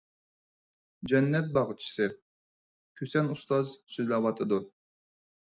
«جەننەت باغچىسى»، كۈسەن ئۇستاز سۆزلەۋاتىدۇ.